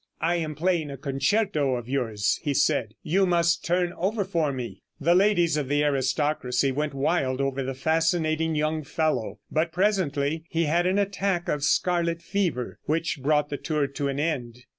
"I am playing a concerto of yours," he said, "you must turn over for me." The ladies of the aristocracy went wild over the fascinating young fellow, but presently he had an attack of scarlet fever, which brought the tour to an end.